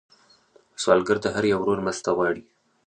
سوالګر د هر یو ورور مرسته غواړي